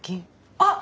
あっ！